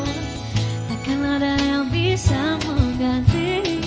akan ada yang bisa mengganti